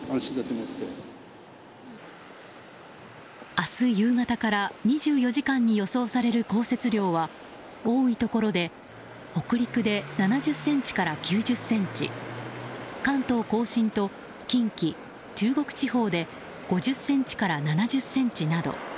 明日夕方から２４時間に予想される降雪量は多いところで北陸で７０ｃｍから９０ｃｍ関東・甲信と近畿、中国地方で５０ｃｍから７０ｃｍなど。